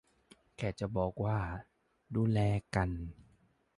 แค่จะบอกว่า ดูแลกัน